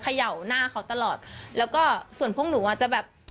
เขย่าหน้าเขาตลอดแล้วก็ส่วนพวกหนูอ่ะจะแบบ